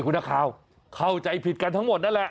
คุณนักข่าวเข้าใจผิดกันทั้งหมดนั่นแหละ